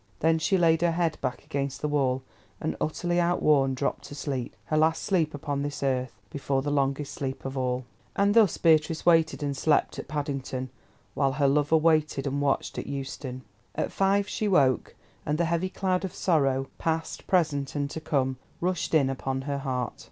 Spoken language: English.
Then she laid her head back against the wall, and utterly outworn, dropped to sleep—her last sleep upon this earth, before the longest sleep of all. And thus Beatrice waited and slept at Paddington, while her lover waited and watched at Euston. At five she woke, and the heavy cloud of sorrow, past, present, and to come, rushed in upon her heart.